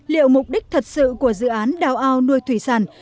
liệu mục đích thật sự của dự án đào ao nuôi thủy sản